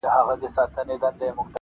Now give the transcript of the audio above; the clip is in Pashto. o نه پاچا نه حکمران سلطان به نسې,